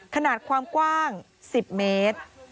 ขนาดความกว้าง๑๐เมตร